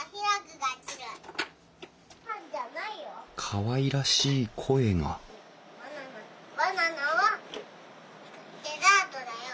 かわいらしい声がバナナはデザートだよ。